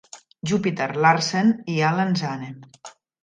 Jupitter-Larsen i Allan Zane.